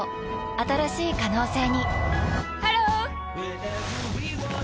新しい可能性にハロー！